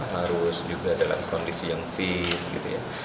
harus juga dalam kondisi yang fit gitu ya